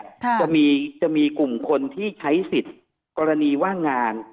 จะมีจะมีกลุ่มคนที่ใช้สิทธิ์กรณีว่างงาน